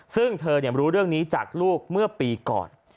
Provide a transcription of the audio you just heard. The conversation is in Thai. ซึ่งเธอรู้เรื่องนี้จากลูกเมื่อปีก่อน